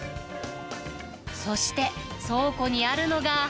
そして、倉庫にあるのが。